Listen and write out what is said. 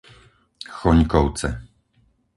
Choňkovce